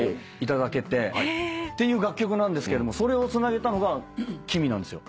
っていう楽曲なんですけどもそれをつなげたのがＫＩＭＩなんですよ。